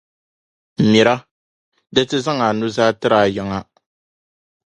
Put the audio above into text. Mira! di ti zaŋ anuzaa tiri ayiŋa.